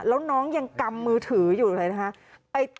แล้วน้องยังกำมือถืออยู่เลยนะคะ